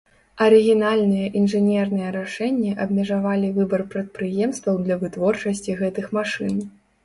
Арыгінальныя інжынерныя рашэнні абмежавалі выбар прадпрыемстваў для вытворчасці гэтых машын.